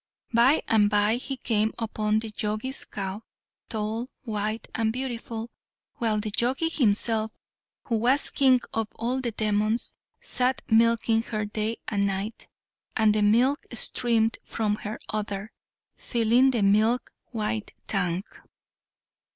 By and by he came upon the Jogi's cow, tall, white, and beautiful, while the Jogi himself, who was king of all the demons, sat milking her day and night, and the milk streamed from her udder, filling the milk white tank.